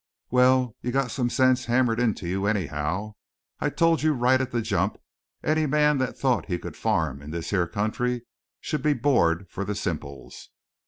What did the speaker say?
"Well, you got some sense hammered into you, anyhow. I told you right at the jump, any man that thought he could farm in this here country should be bored for the simples.